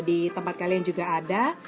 di tempat kalian juga ada